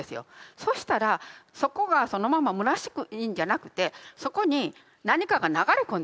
そしたらそこがそのままむなしいんじゃなくてそこに何かが流れ込んでくる。